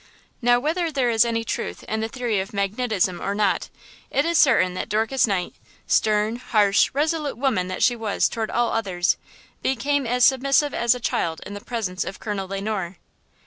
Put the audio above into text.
Now, whether there is any truth in the theory of magnetism or not, it is certain that Dorcas Knight–stern, harsh, resolute woman that she was toward all others–became as submissive as a child in the presence of Colonel Le Noir.